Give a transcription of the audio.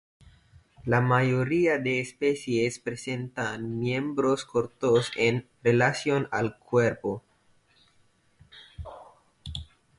La mayoría de especies presentan miembros cortos en relación al cuerpo.